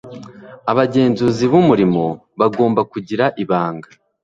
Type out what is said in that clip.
abagenzuzi b umurimo bagomba kugira ibanga